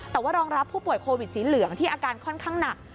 แต่ว่ารองรับผู้ป่วยโควิดสีเหลืองที่อาการค่อนข้างหนัก